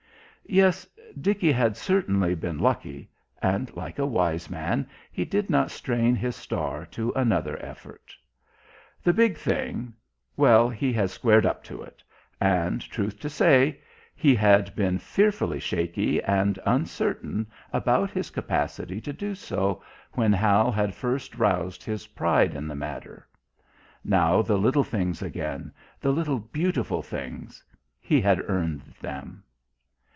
Yes, Dickie had certainly been lucky, and, like a wise man, he did not strain his star to another effort. The big thing well, he had squared up to it and, truth to say, he had been fearfully shaky and uncertain about his capacity to do so when Hal had first roused his pride in the matter. Now the little things again, the little beautiful things he had earned them.